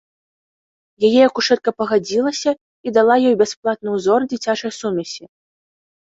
Яе акушэрка пагадзілася і дала ёй бясплатны ўзор дзіцячай сумесі.